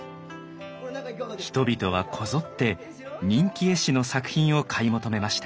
人々はこぞって人気絵師の作品を買い求めました。